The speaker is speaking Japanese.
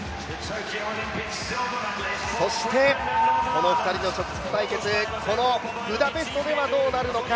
そしてこの２人の直接対決、ブダペストではどうなるのか。